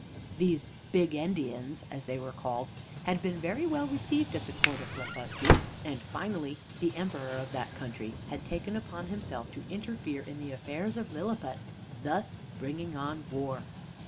These "Big endians," as they were called, had been very well received at the Court of Blefuscu, and finally the Emperor of that country had taken upon himself to interfere in the affairs of Lilliput, thus bringing on war.